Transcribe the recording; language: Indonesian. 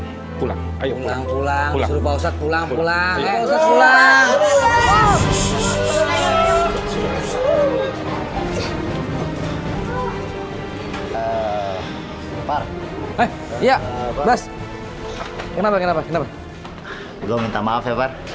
gue minta maaf ya pak